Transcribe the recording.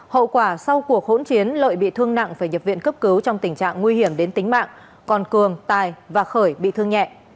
hậu quả sau cuộc hỗn chiến lợi bị thương nặng phải nhập viện cấp cứu trong tình trạng nguy hiểm đến tính mạng còn cường tài và khởi bị thương nhẹ